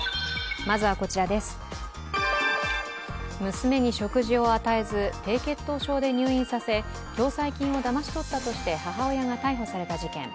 娘に食事を与えず低血糖症で入院させ、共済金をだまし取ったとして母親が逮捕された事件。